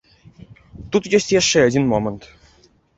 Тут ёсць яшчэ адзін момант.